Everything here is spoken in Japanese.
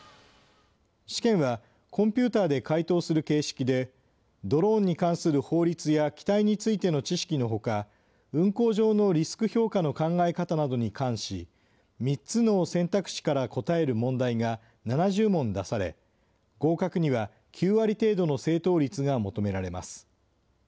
試験はコンピューターで回答する形式で、ドローンに関する法律や機体についての知識のほか、運航上のリスク評価の考え方などに関し、３つの選択肢から答える問題が７０もんだされ合格には９割程度の正答率が求められます。